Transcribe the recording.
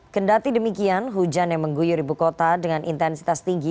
kendati demikian hujan yang mengguyur ibu kota dengan intensitas tinggi